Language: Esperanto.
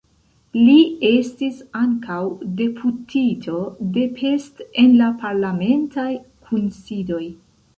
Li estis ankaŭ deputito de Pest en la parlamentaj kunsidoj.